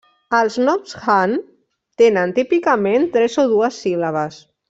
Els noms Han tenen típicament tres o dues síl·labes.